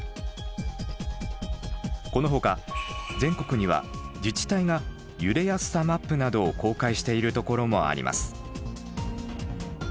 このほか全国には自治体が「揺れやすさマップ」などを公開しているところもあります。